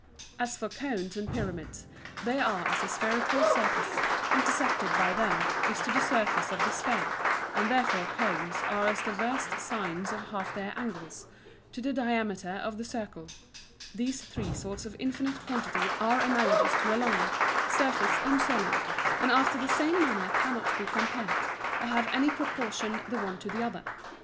As for Cones and Pyramids, they are as the Spherical Surface, intercepted by them, is to the Surface of the Sphere; and therefore Cones are as the versed Sines of half their Angles, to the Diameter of the Circle: These three sorts of infinite Quantity are analogous to a Line, Surface and Solid, and after the same manner cannot be compared, or have any proportion the one to the other.